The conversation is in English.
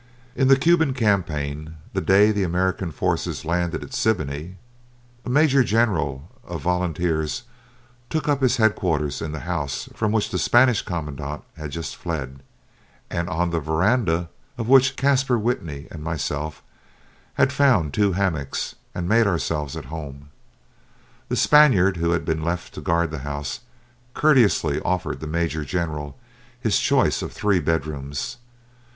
In the Cuban campaign the day the American forces landed at Siboney a major general of volunteers took up his head quarters in the house from which the Spanish commandant had just fled, and on the veranda of which Caspar Whitney and myself had found two hammocks and made ourselves at home. The Spaniard who had been left to guard the house courteously offered the major general his choice of three bed rooms.